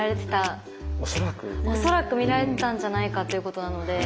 恐らく見られてたんじゃないかということなので。